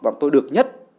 bọn tôi được nhất